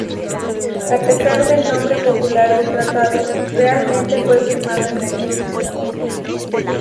A pesar del nombre popular del tratado, realmente fue firmado en Berlín.